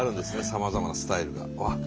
さまざまなスタイルが。